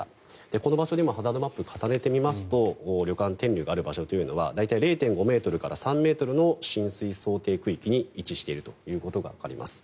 この場所にもハザードマップを重ねてみますと旅館、天龍がある場所は大体、０．５ｍから３ｍの浸水想定区域に位置しているということがわかります。